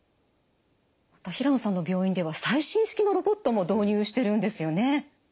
平能さんの病院では最新式のロボットも導入してるんですよね。